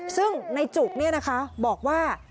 ซึ่งในจุกนี่นะคะบอกว่า